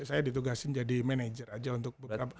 saya ditugasin jadi manager aja untuk berapa